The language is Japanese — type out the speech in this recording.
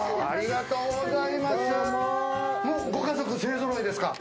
ありがとうございます。